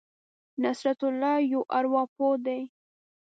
نصرت الله یو ارواپوه دی.